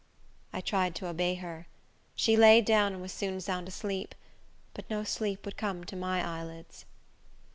I tried to obey her. She lay down, and was soon sound asleep; but no sleep would come to my eyelids.